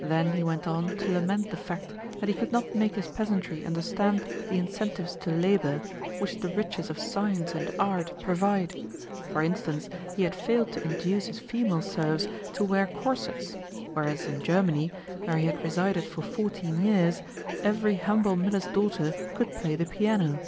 Then he went on to lament the fact that he could not make his peasantry understand the incentives to labour which the riches of science and art provide; for instance, he had failed to induce his female serfs to wear corsets, whereas in Germany, where he had resided for fourteen years, every humble miller's daughter could play the piano.